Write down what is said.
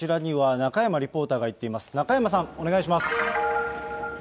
中山さん、お願いします。